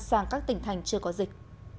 sang các tỉnh thành chưa có dịch